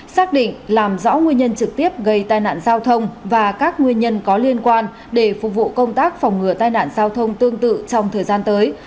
xác định làm rõ nguyên nhân trực tiếp gây tai nạn giao thông và các nguyên nhân có liên quan để phục vụ công tác phòng ngừa tai nạn giao thông tương tự trong thời gian tới